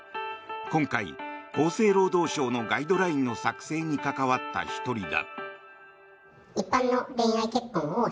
今回、厚生労働省のガイドブックの作成に関わった１人だ。